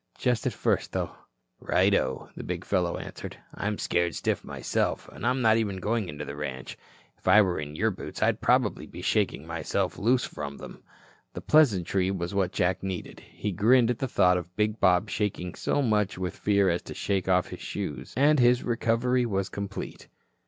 "Just at first, though " "Righto," the big fellow answered. "I'm scared stiff myself, and I'm not even going into the ranch. If I were in your boots I'd probably be shaking myself loose from them." The pleasantry was what Jack needed. He grinned at the thought of big Bob shaking so much with fear as to shake off his shoes, and his recovery was complete.